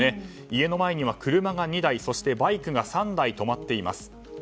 家の前には車が２台そしてバイクが３台止まっています。